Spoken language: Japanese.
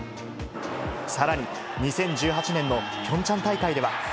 さらに、２０１８年のピョンチャン大会では。